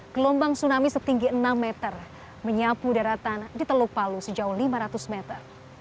gelombang tsunami setinggi enam meter menyapu daratan di teluk palu sejauh lima ratus meter